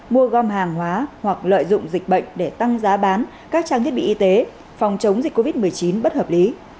mua gom hàng hóa hoặc lợi dụng dịch bệnh để tăng giá bán các trang thiết bị y tế phòng chống dịch covid một mươi chín bất hợp lý